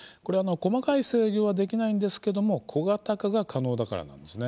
細かい制御はできないんですけども小型化が可能だからなんです。